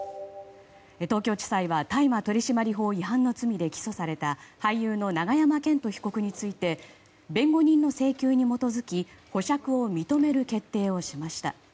東京地裁は大麻取締法違反の罪で起訴された俳優の永山絢斗被告について弁護人の請求に基づき保釈を認める決定をしました。